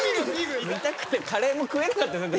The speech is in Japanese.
痛くてカレーも食えなかった。